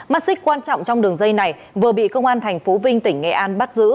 mắt xích quan trọng trong đường dây này vừa bị công an tp vinh tỉnh nghệ an bắt giữ